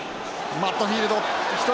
マットフィールド１人